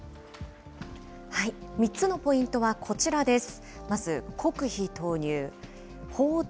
３つのポイントはこちらです。